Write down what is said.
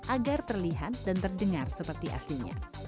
agar terlihat dan terdengar seperti aslinya